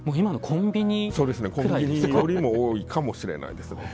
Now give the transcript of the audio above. コンビニよりも多いかもしれないですね。